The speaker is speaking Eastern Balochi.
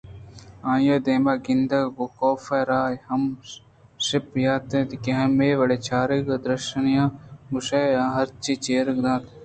آئی ءِ دیمءِگندگ ءَ گوں کاف ء را ہما شپ یات اتک کہ ہمے وڑیں چارگ ءُدرشانیاں گوٛشئے آ ہرچی چیردیگ ءَ اِنت